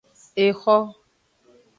Exo.